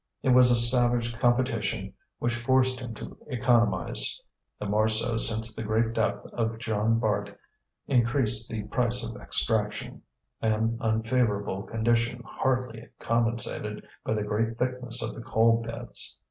It was a savage competition which forced him to economize, the more so since the great depth of Jean Bart increased the price of extraction, an unfavourable condition hardly compensated by the great thickness of the coal beds.